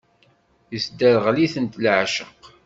Isderɣel-itent leɛceq.